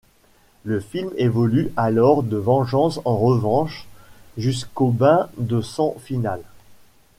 Le film évolue alors de vengeances en revanches, jusqu'au bain de sang final.